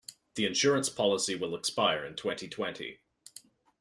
The insurance policy will expire in twenty-twenty.